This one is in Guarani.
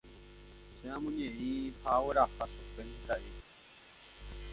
Che amoneĩ ha agueraha chupe mitã'i kotýpe.